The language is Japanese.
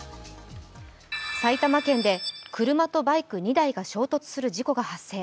埼玉県で車とバイク２台が衝突する事故が発生。